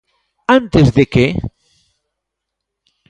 ¿Antes de que?